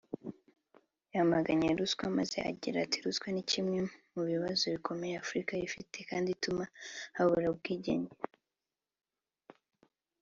yamaganye ruswa maze agira ati “Ruswa ni kimwe mu bibazo bikomeye Afurika ifite kandi ituma habura ubwigenge